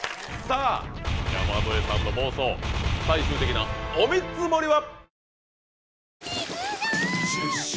さあ山添さんの妄想最終的なお見積もりは？